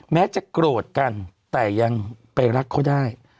แม้จะโกรธกันแต่ยังไปรักเขาได้